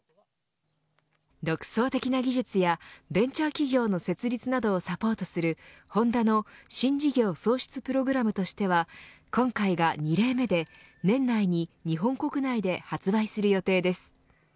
独創的な技術やベンチャー企業の設立などをサポートするホンダの新事業創出プログラムとしては今回が２例目で年内に日本国内で発売する予定です。